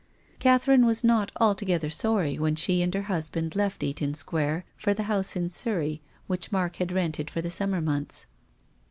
Catherine was not allf)<r(.tli( r sorry when .she and her husband left Katon Square for the house in Surrey which Mark had rented for the summer months.